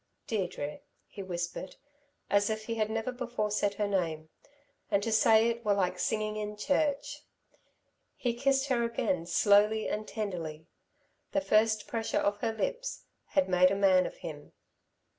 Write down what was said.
"Deirdre," he whispered, as if he had never before said her name, and to say it were like singing in church. He kissed her again, slowly and tenderly; the first pressure of her lips had made a man of him.